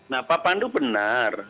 nah pak pandu benar